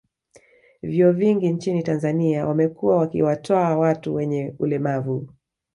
Vyuo vingi nchini Tanzania wamekuwa wakiwataaa watu wenye ulemavu